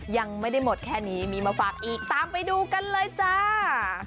ยังไม่ได้หมดแค่นี้มีมาฝากอีกตามไปดูกันเลยจ้า